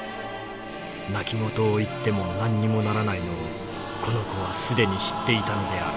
泣き言を言っても何にもならないのをこの子は既に知っていたのである」。